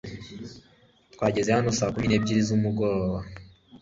twageze hano saa kumi n'ebyiri z'umugoroba